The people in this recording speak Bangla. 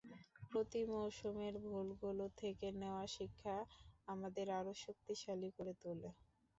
প্রতি মৌসুমের ভুলগুলো থেকে নেওয়া শিক্ষা আমাদের আরও শক্তিশালী করে তোলে।